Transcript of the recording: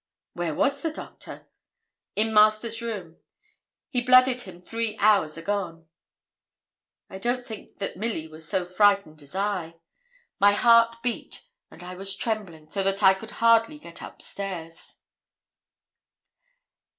'Where was the doctor?' 'In master's room; he blooded him three hours agone.' I don't think that Milly was so frightened as I. My heart beat, and I was trembling so that I could hardly get upstairs.